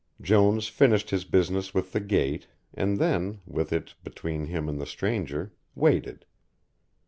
Jones finished his business with the gate, and then, with it between him and the stranger, waited.